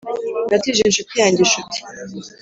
natije inshuti yanjye inshuti.